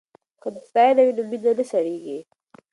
که ستاینه وي نو مینه نه سړیږي.